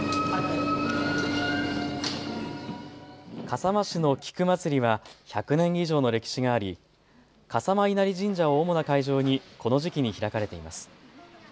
笠間市の菊まつりは１００年以上の歴史があり笠間稲荷神社を主な会場にこの時期に開かれています。